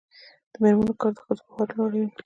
د میرمنو کار د ښځو باور لوړوي.